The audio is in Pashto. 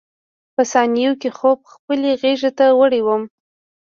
په ثانیو کې خوب خپلې غېږې ته وړی وم.